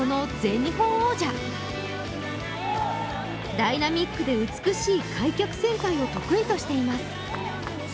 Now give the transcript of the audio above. ダイナミックで美しい開脚旋回を得意としています。